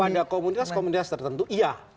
pada komunitas komunitas tertentu iya